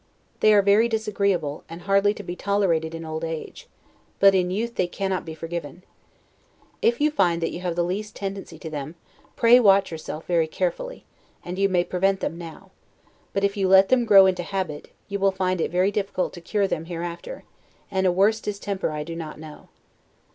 They are very disagreeable, and hardly to be tolerated in old age; but in youth they cannot be forgiven. If you find that you have the least tendency to them, pray watch yourself very carefully, and you may prevent them now; but if you let them grow into habit, you will find it very difficult to cure them hereafter, and a worse distemper I do not know.